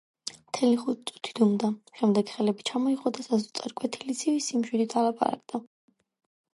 მთელი ხუთი წუთი დუმდა. შემდეგ ხელები ჩამოიღო და სასოწარკვეთილი ცივი სიმშვიდით ალაპარაკდა.